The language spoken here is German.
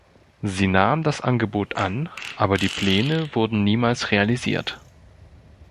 Sie nahm das Angebot an, aber die Pläne wurden niemals realisiert.